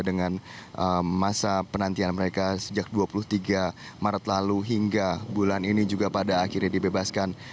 dengan masa penantian mereka sejak dua puluh tiga maret lalu hingga bulan ini juga pada akhirnya dibebaskan